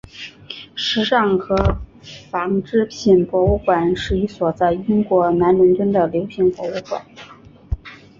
时尚和纺织品博物馆是一所在英国南伦敦的流行博物馆。